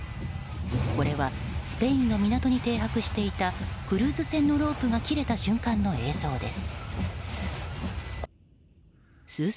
これはスペインの港に停泊していたクルーズ船のロープが切れた瞬間の映像です。